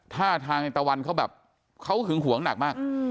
ท่าทางในตะวันเขาแบบเขาหึงหวงหนักมาก